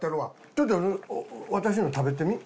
ちょっと私の食べてみ。